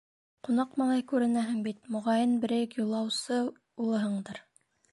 Ҡунаҡ малай күренәһең бит, моғайын, берәй юлаусы улыһыңдыр...